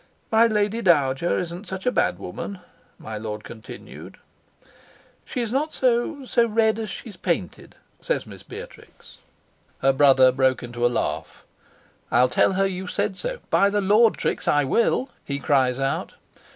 "My Lady Dowager isn't such a bad woman," my lord continued. "She's not so so red as she's painted," says Miss Beatrix. Her brother broke into a laugh. "I'll tell her you said so; by the Lord, Trix, I will," he cries out.